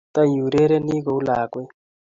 Tiurereni ku lakwa?